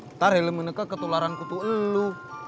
ntar helm nenginegah ketularan kutu elu